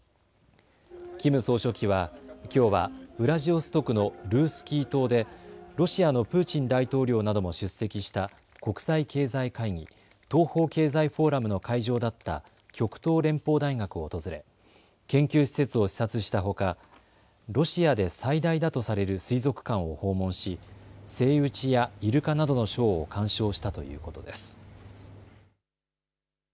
キム総書記はきょうはウラジオストクのルースキー島でロシアのプーチン大統領なども出席した国際経済会議、東方経済フォーラムの会場だった極東連邦大学を訪れ、研究施設を視察したほかロシアで最大だとされる水族館を訪問しセイウチやイルカなどのショーを観賞したということです。